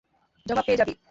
জবাব পেয়ে যাবি।